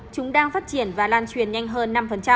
chúng đang phát triển và lan truyền nhanh hơn năm